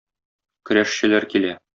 Көрәшчеләр килә.